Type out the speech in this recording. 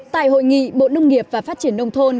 tại hội nghị bộ nông nghiệp và phát triển nông thôn